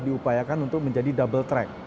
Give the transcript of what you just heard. diupayakan untuk menjadi double track